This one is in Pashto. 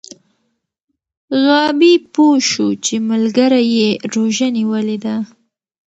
غابي پوه شو چې ملګری یې روژه نیولې ده.